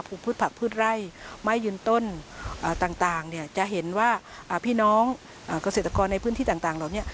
พืชผักพืชไร่ไม้ยืนต้นต่างเนี่ยจะเห็นว่าพี่น้องเกษตรกรในพื้นที่ต่างเหล่านี้